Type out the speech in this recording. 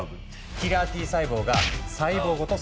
キラーＴ細胞が細胞ごとせん滅する。